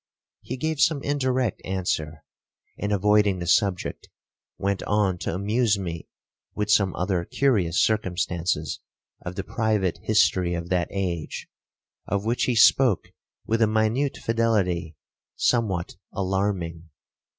He gave some indirect answer; and, avoiding the subject, went on to amuse me with some other curious circumstances of the private history of that age, of which he spoke with a minute fidelity somewhat alarming.